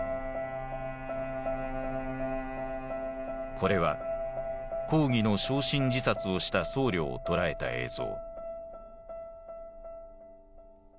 これは抗議の焼身自殺をした僧侶を捉えた映像。